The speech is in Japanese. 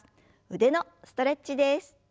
腕のストレッチです。